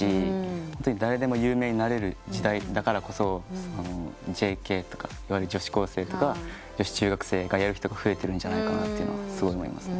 ホントに誰でも有名になれる時代だからこそＪＫいわゆる女子高生とか女子中学生がやる人が増えてるんじゃないかなとすごい思いますね。